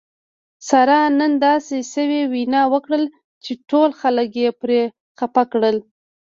سارې نن داسې سوې وینا وکړله چې ټول خلک یې پرې خپه کړل.